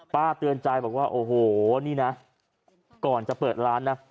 เตือนใจบอกว่าโอ้โหนี่นะก่อนจะเปิดร้านนะ